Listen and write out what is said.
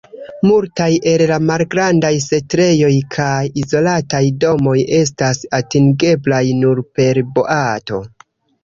Multaj el la malgrandaj setlejoj kaj izolataj domoj estas atingeblaj nur per boato.